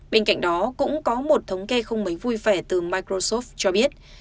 bên cạnh đó cũng có một thống kê không mấy vui vẻ từ microsoff cho biết